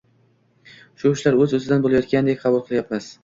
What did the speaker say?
Shu ishlar oʻz-oʻzidan boʻlayotgandek qabul qilayapmiz.